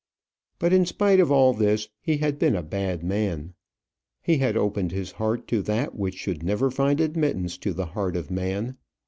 But in spite of all this, he had been a bad man. He had opened his heart to that which should never find admittance to the heart of man.